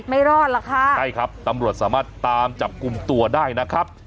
ไม่รอดหรอกค่ะใช่ครับตำรวจสามารถตามจับกลุ่มตัวได้นะครับ